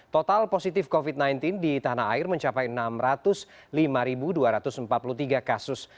total positif covid sembilan belas di tanah air mencapai enam ratus lima dua ratus empat puluh tiga kasus